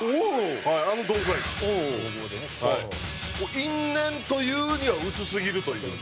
因縁と言うには薄すぎるというか。